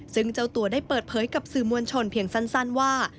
ซึ่งเจ้าตัวได้เปิดเผยกับสื่อมวลชนเพียงสั้นว่า